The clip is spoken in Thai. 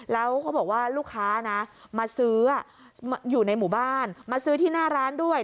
แล้วเขาบอกว่าลูกค้านะมาซื้ออยู่ในหมู่บ้านมาซื้อที่หน้าร้านด้วย